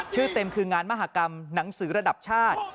ชื่อเต็มคืองานมหากรรมหนังสือระดับชาติ